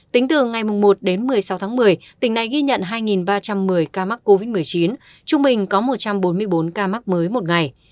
tính từ ngày một đến một mươi sáu tháng một mươi tỉnh này ghi nhận hai ba trăm một mươi ca mắc covid một mươi chín trung bình có một trăm bốn mươi bốn ca mắc mới một ngày